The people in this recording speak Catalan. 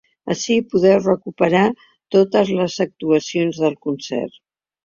Ací podeu recuperar totes les actuacions del concert.